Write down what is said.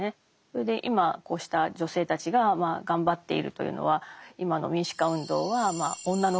それで今こうした女性たちが頑張っているというのは今の民主化運動は女の顔をしていると。